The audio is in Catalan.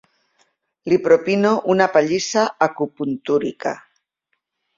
Li propino una pallissa acupuntúrica.